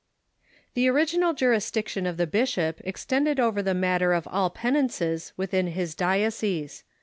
The original jurisdiction of the bishop extended over the matter of all penances within his diocese.